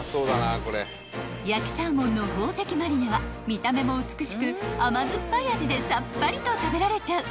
［焼きサーモンの宝石マリネは見た目も美しく甘酸っぱい味でさっぱりと食べられちゃう］